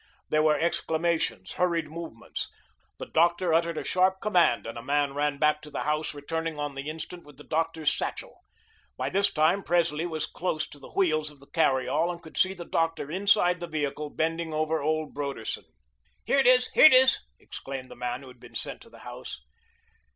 There were exclamations, hurried movements. The doctor uttered a sharp command and a man ran back to the house returning on the instant with the doctor's satchel. By this time, Presley was close to the wheels of the carry all and could see the doctor inside the vehicle bending over old Broderson. "Here it is, here it is," exclaimed the man who had been sent to the house.